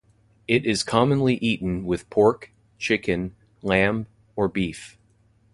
It is commonly eaten with pork, chicken, lamb, or beef.